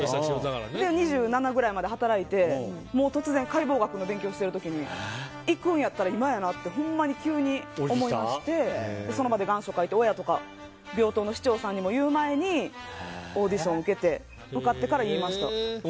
で、２７ぐらいまで働いて突然、解剖学の勉強をしてる時に行くんやったら今やなってほんまに急に思いましてその場で願書を書いて親とかに言う前にオーディションを受けて受かってから言いました。